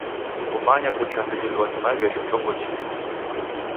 Kumanye kuchandirilwa ni maghesho chongonyi niki.